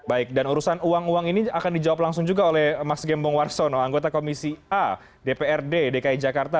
baik dan urusan uang uang ini akan dijawab langsung juga oleh mas gembong warsono anggota komisi a dprd dki jakarta